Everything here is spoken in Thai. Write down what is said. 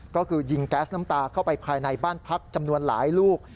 ก็คือยิงแก๊สน้ำตาเข้าไปภายในบ้านพักจำนวนหลายลูก